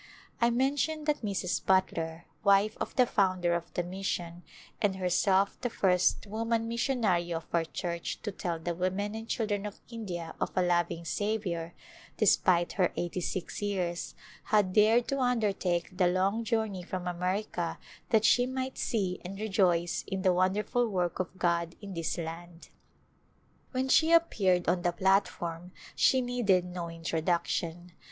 I mentioned that Mrs. Butler, wife of the founder of the mission, and herself the first woman missionary of our Church to tell the women and chil dren of India of a loving Saviour, despite her eighty six years, had dared to undertake the long journey from America that she might see and rejoice in the wonderful work of God in this land. When she appeared on the platform she needed no introduction.